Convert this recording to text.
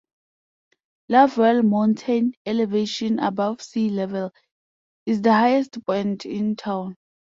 Lovewell Mountain, elevation above sea level, is the highest point in town.